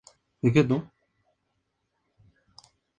Las columnas de abajo son toscanas y las de arriba jónicas.